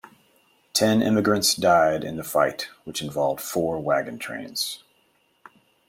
Ten emigrants died in the fight, which involved four wagon trains.